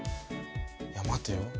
いや待てよ。